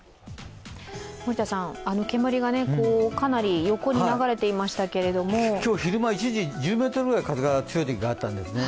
森田さん、あの煙がかなり横に流れていましたけれども今日、昼間、一時、１０メートルぐらい、風が強いときがあったんですね